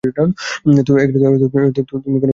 তুমি কোনো সুযোগই রাখলে না।